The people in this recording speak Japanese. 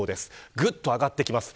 ぐっと上がってきます。